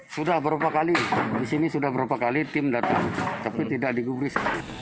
sudah berapa kali disini sudah berapa kali tim datang tapi tidak digubris